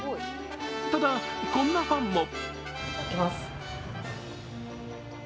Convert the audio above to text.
ただ、こんなファンも。